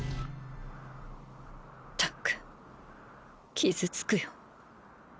ったく傷つくよ。